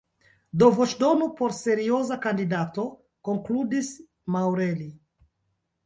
Do voĉdonu por serioza kandidato, konkludis Maurelli.